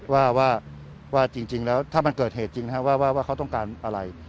ว่าจริงแล้วถ้ามันเกิดเหตุจริงว่าเขาต้องการอะไร